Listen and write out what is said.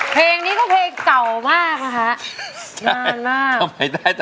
เพลงนี้ก็เพลงเก่ามากนะคะนานมาก